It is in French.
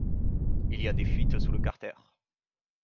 Il y a des fuites sous le carter.